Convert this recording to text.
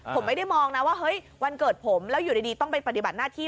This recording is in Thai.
ผมไม่ได้มองนะว่าเฮ้ยวันเกิดผมแล้วอยู่ดีต้องไปปฏิบัติหน้าที่